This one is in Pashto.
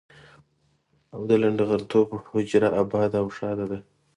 او د لنډه غرتوب حجره اباده او ښاده ده.